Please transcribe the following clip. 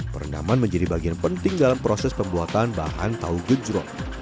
perendaman menjadi bagian penting dalam proses pembuatan bahan tahu gejrot